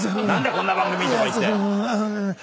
こんな番組！とか言って。